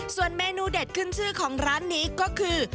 ส่วนเมนูเด็ดขึ้นชื่อของร้านนี้ก็คือ